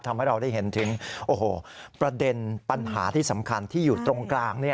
ทำให้เราได้เห็นถึงประเด็นปัญหาที่สำคัญที่อยู่ตรงกลาง